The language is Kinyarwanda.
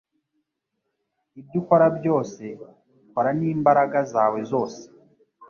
Ibyo ukora byose, kora n'imbaraga zawe zose.